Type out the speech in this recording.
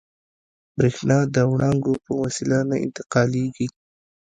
برېښنا د وړانګو په وسیله نه انتقالېږي.